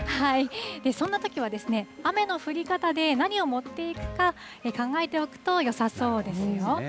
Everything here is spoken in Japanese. そんなときは、雨の降り方で何を持っていくか考えておくとよさそうですよ。